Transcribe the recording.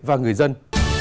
và người dân